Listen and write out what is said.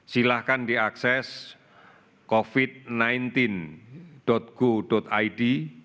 silahkan diakses covid sembilan belas go id